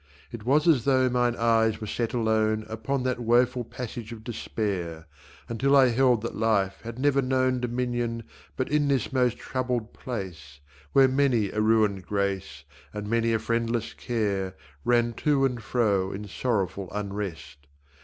It was as though mine eyes were set alone Upon that woeful passage of despair, Until I held that life had never known Dominion but in this most troubled place Where many a ruined grace And many a friendless care Ran to and fro in sorrowful unrest.